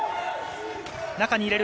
中に入れる。